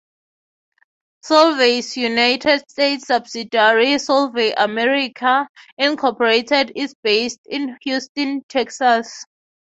Solvay's United States subsidiary, Solvay America, Incorporated is based in Houston, Texas.